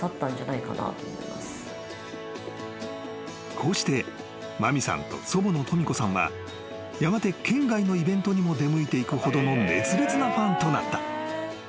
［こうして麻美さんと祖母のとみ子さんはやがて県外のイベントにも出向いていくほどの熱烈なファンとなった］